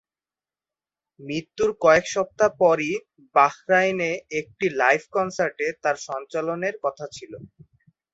মৃত্যুর কয়েক সপ্তাহ পরই বাহরাইনে একটি লাইভ কনসার্টে তার সঞ্চালনের কথা ছিলো।